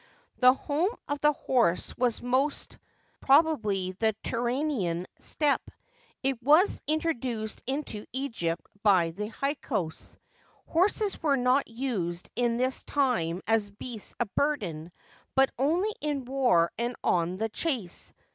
The home of the horse was most probably the Turanian steppe. It was introduced into Egypt by the Hyksos. Horses were not used in this time as beasts of burden, but only in war and on the chase.